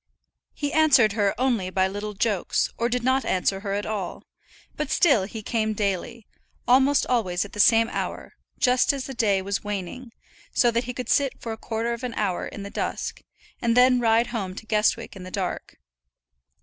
He answered her only by little jokes, or did not answer her at all; but still he came daily, almost always at the same hour, just as the day was waning, so that he could sit for a quarter of an hour in the dusk, and then ride home to Guestwick in the dark.